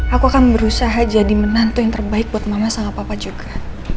aku akan berusaha jadi menantu yang terbaik buat mama sama papa juga